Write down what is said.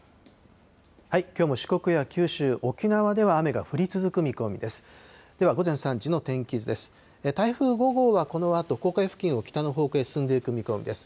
きょうも四国や九州、沖縄では雨が降り続く見込みです。